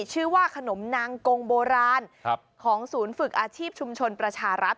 ชื่อว่าขนมนางกงโบราณของศูนย์ฝึกอาชีพชุมชนประชารัฐ